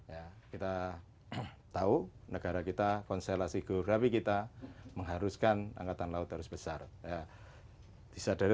ya kita tahu negara kita konsulasi geografi kita mengharuskan angkatan laut harus besar